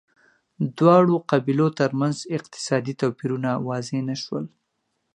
دواړو قبیلو ترمنځ اقتصادي توپیرونه واضح نه شول